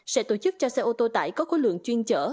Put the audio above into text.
sẽ tổ chức cho xe ô tô tải có khối lượng chuyên chở